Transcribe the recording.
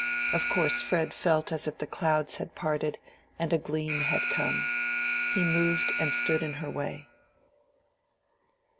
Of course Fred felt as if the clouds had parted and a gleam had come: he moved and stood in her way.